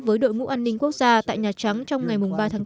với đội ngũ an ninh quốc gia tại nhà trắng trong ngày ba tháng bốn